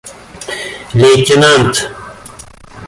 лейтенант